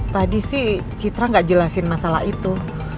tadi sih citra nggak jelasin masalah itu